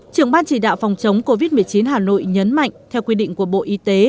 trưởng ban chỉ đạo phòng chống covid một mươi chín hà nội nhấn mạnh theo quy định của bộ y tế